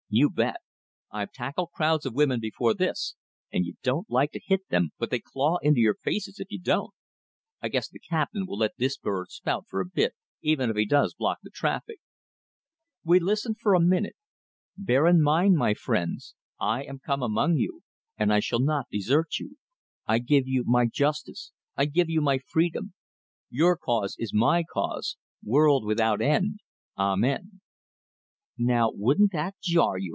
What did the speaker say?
"You bet! I've tackled crowds of women before this, and you don't like to hit them, but they claw into your face if you don't. I guess the captain will let this bird spout for a bit, even if he does block the traffic." We listened for a minute. "Bear in mind, my friends, I am come among you; and I shall not desert you. I give you my justice, I give you my freedom. Your cause is my cause, world without end. Amen." "Now wouldn't that jar you?"